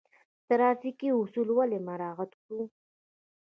ټرافیکي اصول ولې مراعات کړو؟